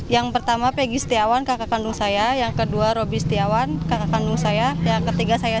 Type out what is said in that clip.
yang keempat ada adik saya amelia